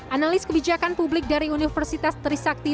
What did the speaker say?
analis kebijakan publik dari universitas trisakti